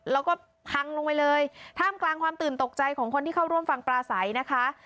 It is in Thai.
แล้วก็พังลงไปเลยท่ามกลางความตื่นตกใจของคนที่เข้าร่วมฟังปลาใสนะคะ